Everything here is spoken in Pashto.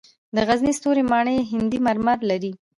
د غزني ستوري ماڼۍ هندي مرمر لري